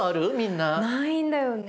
ないんだよね。